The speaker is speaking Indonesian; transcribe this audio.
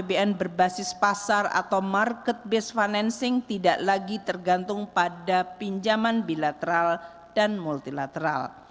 bbm berbasis pasar atau marketbase financing tidak lagi tergantung pada pinjaman bilateral dan multilateral